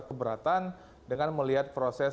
keberatan dengan melihat proses